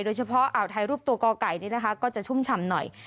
อ่าวไทยรูปตัวกอไก่นี่นะคะก็จะชุ่มฉ่ำหน่อย